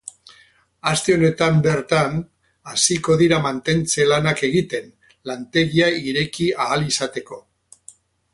Aste honetan bertan hasiko dira mantentze lanak egiten, lantegia ireki ahal izateko.